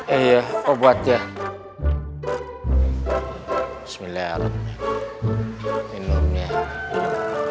iya obatnya bismillahirrahmanirrahim